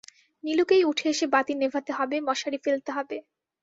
নীলুকেই উঠে এসে বাতি নেভাতে হবে, মশারি ফেলতে হবে।